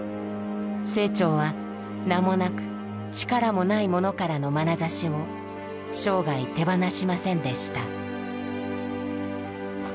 清張は名もなく力もない者からのまなざしを生涯手放しませんでした。